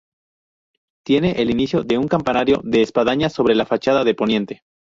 Tiene el inicio de un campanario de espadaña sobre la fachada de poniente.